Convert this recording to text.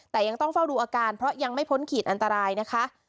แต่ยังต้องเฝ้าดูอาการเพราะยังไม่พ้นขีดอันตรายนะคะ